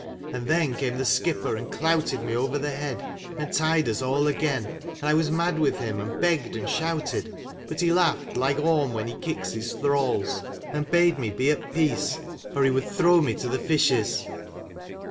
And then came the skipper and clouted me over the head, and tied us all again, and I was mad with him, and begged and shouted ; but he laughed, like Orm when he kicks his thralls, and bade me be at peace, or he would throw 221 me to the fishes.